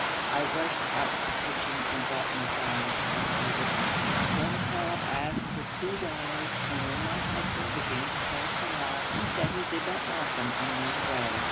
I rushed out to the kitchen and brought Matthaios as a witness. Then Talib asked for two dollars, and when my husband began to call Saleh, he said he did not want them and went away.